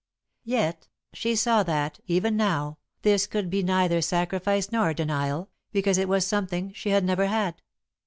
Yet she saw that, even now, this could be neither sacrifice nor denial, because it was something she had never had.